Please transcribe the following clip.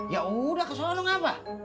ya udah ke sono ngapa